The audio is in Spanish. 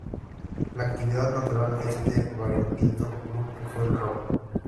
La actividad natural de este variopinto grupo fue el robo.